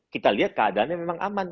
kita lihat keadaannya memang aman